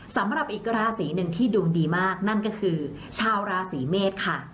สำหรับอีกราศีหนึ่งที่ดวงดีมากนั่นก็คือชาวราศีเมษค่ะ